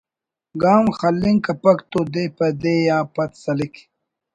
گام خلنگ کپک تو دے پہ دے آ پد سلک